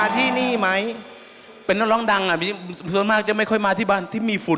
ที่มีฝุ่นเยอะอะไรอย่างนี้